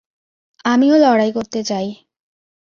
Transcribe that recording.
আমিও লড়াই করতে চাই।